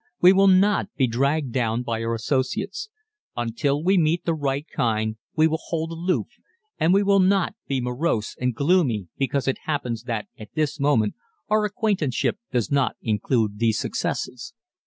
We will not be dragged down by our associates. Until we meet the right kind we will hold aloof, and we will not be morose and gloomy because it happens that at this moment our acquaintanceship does not include these successes.